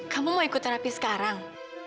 kamu mau ikut terapi sekarang